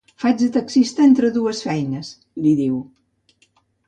Faig de taxista entre dues feines, li diu.